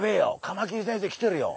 カマキリ先生来てるよ！